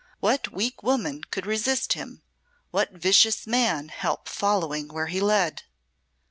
What weak woman could resist him; what vicious man help following where he led!"